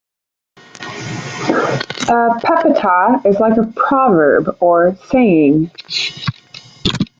A "Pepatah" is like a "proverb" or "saying".